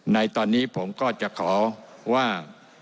ในตอนนี้ผมก็จะขอว่า